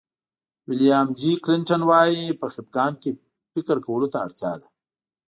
ویلیام جي کلنټن وایي په خفګان کې فکر کولو ته اړتیا ده.